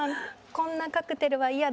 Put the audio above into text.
「こんなカクテルはイヤだ。